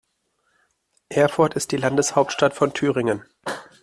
Erfurt ist die Landeshauptstadt von Thüringen.